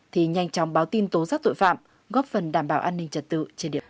thì nhanh chóng báo tin tố giác tội phạm góp phần đảm bảo an ninh trật tự trên điểm